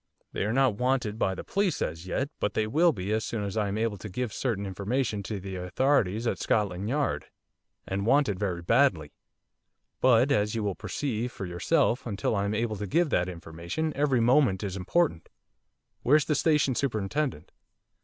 They are not wanted by the police as yet, but they will be as soon as I am able to give certain information to the authorities at Scotland Yard, and wanted very badly. But, as you will perceive for yourself, until I am able to give that information every moment is important. Where's the Station Superintendent?